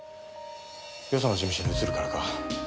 よその事務所に移るからか？